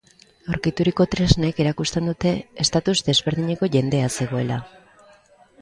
Aurkituriko tresnek erakusten dute estatus desberdineko jendea zegoela.